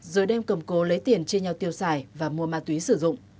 rồi đem cầm cố lấy tiền chia nhau tiêu xài và mua ma túy sử dụng